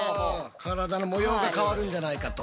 体の模様が変わるんじゃないかと。